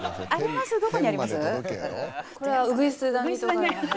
これは。